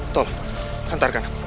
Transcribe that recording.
tolong hantarkan aku